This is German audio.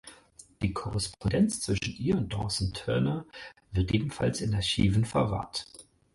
Die Korrespondenz zwischen ihr und Dawson Turner wird ebenfalls in Archiven verwahrt.